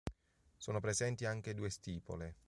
Sono presenti anche due stipole.